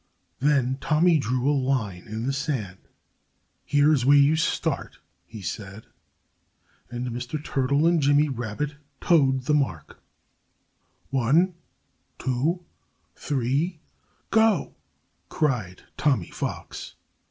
Then Tommy drew a line in the sand. "Here's where you start!" he said. And Mr. Turtle and Jimmy Rabbit toed the mark. "One, two, three go!" cried Tommy Fox.